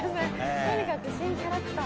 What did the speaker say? とにかく新キャラクターを。